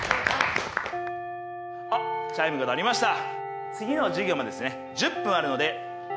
チャイムが鳴りました。